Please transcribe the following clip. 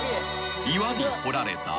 ［岩に掘られた］